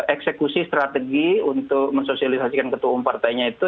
eksekusi strategi untuk mensosialisasikan ketua umum partainya itu